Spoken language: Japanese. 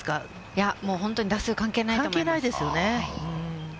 いや、本当に打数、関係ない関係ないですよね。